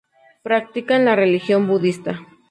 Practican la religión budista.